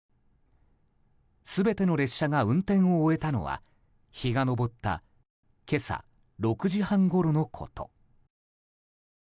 全ての列車が運転を終えたのは日が昇った今朝６時半ごろのこと。